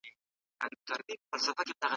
کومي پوښتني باید له خپل ډاکټر څخه وکړو؟